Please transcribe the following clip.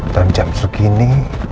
dan jam segini